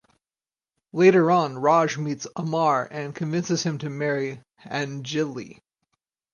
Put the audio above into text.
Later on Raj meets Amar and convinces him to marry Anjali.